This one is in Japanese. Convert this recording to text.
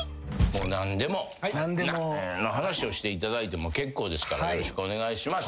何でも何の話をしていただいても結構ですからよろしくお願いします。